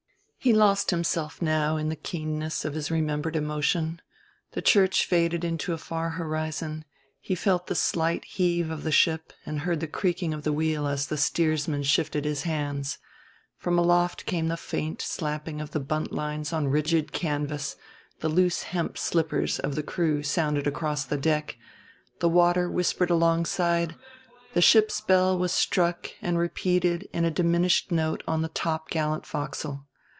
He lost himself now in the keenness of his remembered emotion: the church faded into a far horizon, he felt the slight heave of the ship and heard the creaking of the wheel as the steersman shifted his hands; from aloft came the faint slapping of the bunt lines on rigid canvas, the loose hemp slippers of the crew sounded across the deck, the water whispered alongside, the ship's bell was struck and repeated in a diminished note on the topgallant forecastle.